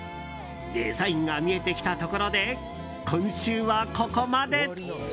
デザインが見えてきたところで今週はここまで。